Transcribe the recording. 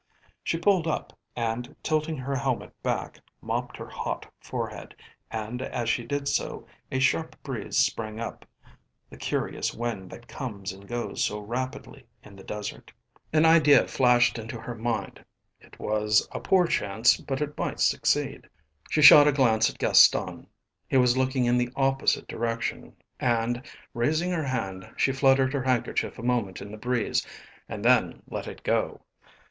She pulled up, and tilting her helmet back mopped her hot forehead, and, as she did so, a sharp breeze sprang up, the curious wind that comes and goes so rapidly in the desert. An idea flashed into her mind. It was a poor chance, but it might succeed. She shot a glance at Gaston. He was looking in the opposite direction, and, raising her hand, she fluttered her handkerchief a moment in the breeze and then let it go.